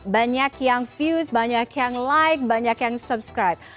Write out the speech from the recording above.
banyak yang fuse banyak yang like banyak yang subscribe